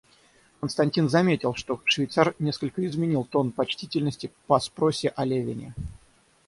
Константин заметил, что швейцар несколько изменил тон почтительности по спросе о Левине.